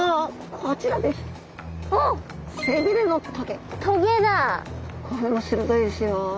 これも鋭いですよ。